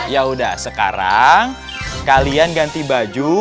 yaudah sekarang kalian ganti baju